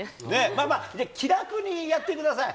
まあまあ、気楽にやってください。